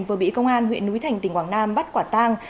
vừa bị công an huyện núi thành tỉnh quảng nam bắt quả tang